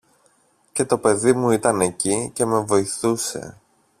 Και το παιδί μου ήταν εκεί και με βοηθούσε.